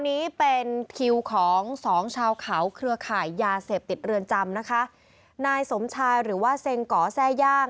ติดเรือนจำนะคะนายสมชายหรือว่าเซงก๋อแซ่ย่าง